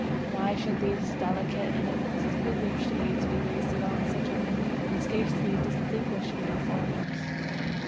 Why should these delicate and exquisite shades be wasted on such minute and scarcely distinguishable forms?